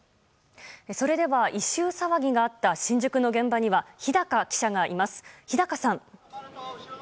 それでは、異臭騒ぎがあった新宿の現場には日高記者がいます。